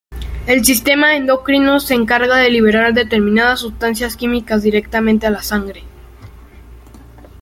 El sistema endocrino se encarga de liberar determinadas sustancias químicas directamente a la sangre.